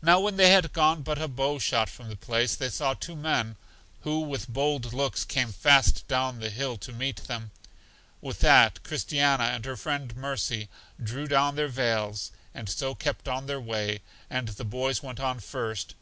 Now when they had gone but a bow shot from the place, they saw two men, who with bold looks came fast down the hill to meet them. With that, Christiana and her friend Mercy, drew down their veils, and so kept on their way, and the boys went on first.